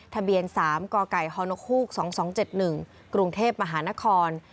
ทะเบียน๓กไก่ฮนค๒๒๗๑กรุงเทพมหานคร